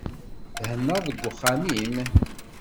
Thennaḍ deg uxxam-im?